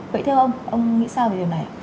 vậy theo ông ông nghĩ sao về điều này